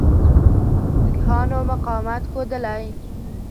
سیکهانو مقاومت ښودلی.